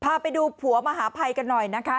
พาไปดูผัวมหาภัยกันหน่อยนะคะ